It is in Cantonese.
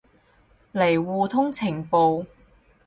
嚟互通情報